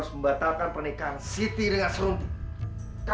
sampai jumpa di video selanjutnya